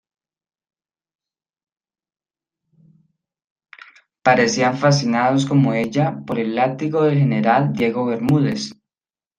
parecían fascinados como ella, por el látigo del general Diego Bermúdez.